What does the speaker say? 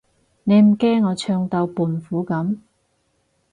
你唔驚我唱到胖虎噉？